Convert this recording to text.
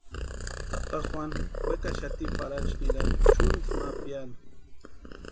Tata Juanu wekaxati Parachu nirani chʼunti ma piani.